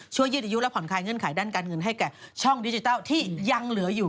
ยืดอายุและผ่อนคลายเงื่อนไขด้านการเงินให้แก่ช่องดิจิทัลที่ยังเหลืออยู่